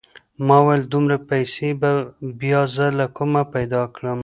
ما وويل دومره پيسې به بيا زه له کومه پيدا کم.